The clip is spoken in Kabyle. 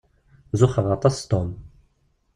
Zuxxeɣ aṭas s Tom.